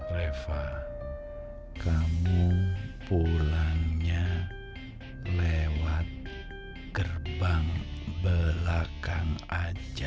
reva kamu pulangnya lewat gerbang belakang aja